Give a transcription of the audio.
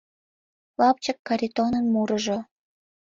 ЛАПЧЫК КАРИТОНЫН МУРЫЖО